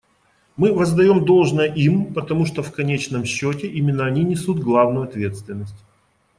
Мы воздаем должное им, потому что в конечном счете именно они несут главную ответственность.